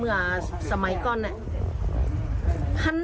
เมื่อสมัยก่อนเนี่ย